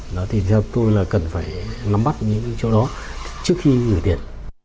đó thì theo tôi là cần phải nắm bắt những cái chỗ đó trước khi gửi tiền